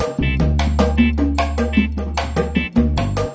katanya udah gak ikut saeb